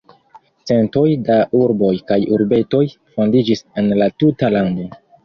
Centoj da urboj kaj urbetoj fondiĝis en la tuta lando.